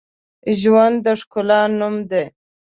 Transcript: ژوند د ښکلا نوم دی